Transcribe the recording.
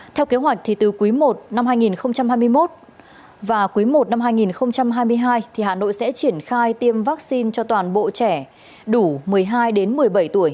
theo kế hoạch từ cuối một năm hai nghìn hai mươi một và cuối một năm hai nghìn hai mươi hai hà nội sẽ triển khai tiêm vaccine cho toàn bộ trẻ đủ một mươi hai một mươi bảy tuổi